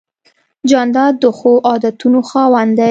جانداد د ښو عادتونو خاوند دی.